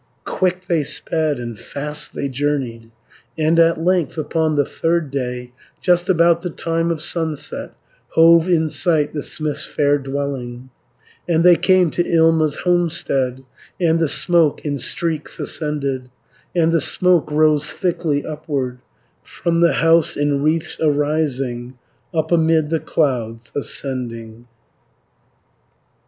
Quick they sped, and fast they journeyed, And at length upon the third day 520 Just about the time of sunset, Hove in sight the smith's fair dwelling And they came to Ilma's homestead, And the smoke in streaks ascended, And the smoke rose thickly upward, From the house in wreaths arising, Up amid the clouds ascending.